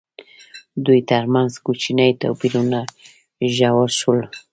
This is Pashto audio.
دوی ترمنځ کوچني توپیرونه ژور شول.